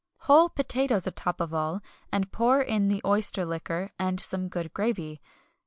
Whole potatoes atop of all, and pour in the oyster liquor and some good gravy.